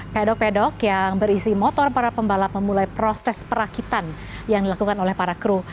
pedok pedok yang berisi motor para pembalap memulai proses perakitan yang dilakukan oleh para kru